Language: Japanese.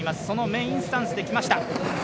そのメインスタンスできました。